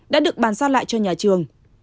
đã được bàn giao lại cho nhà trường